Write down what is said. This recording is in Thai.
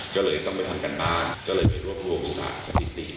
ก็เลยต้องไปทำการบ้านก็เลยไปรวบรวมเวลาสถิติ